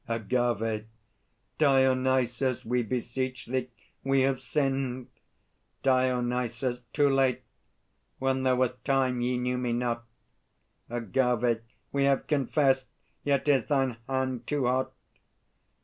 AGAVE. Dionysus, we beseech thee! We have sinned! DIONYSUS. Too late! When there was time, ye knew me not! AGAVE. We have confessed. Yet is thine hand too hot.